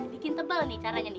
bikin tebal nih caranya nih